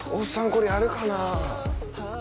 これやるかなぁ？